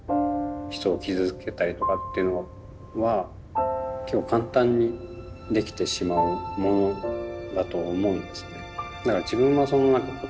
人を傷つけたりとかっていうのは簡単にできてしまうものだと思うんですね。